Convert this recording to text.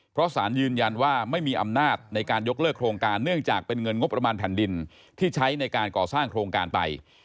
เพราะสารยืนยันว่าไม่มีอำนาจในการยกเลิกโครงการเนื่องจากเป็นเงินงบประมาณแผ่นดินที่ใช้ในการก่อสร้างโครงการไป